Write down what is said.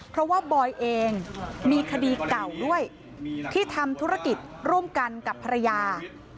เพราะว่าบอยเองมีคดีเก่าด้วยที่ทำธุรกิจร่วมกันกับภรรยา